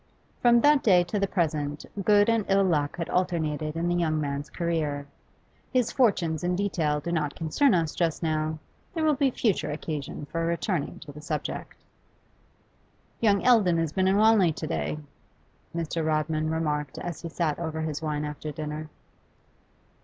From that day to the present good and ill luck had alternated in the young man's career. His fortunes in detail do not concern us just now; there will be future occasion for returning to the subject. 'Young Eldon has been in Wanley to day,' Mr. Rodman remarked as he sat over his wine after dinner.